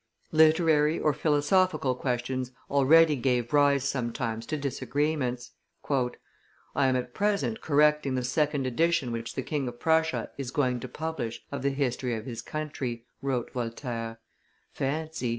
Literary or philosophical questions already gave rise sometimes to disagreements. "I am at present correcting the second edition which the King of Prussia is going to publish of the history of his country," wrote Voltaire; "fancy!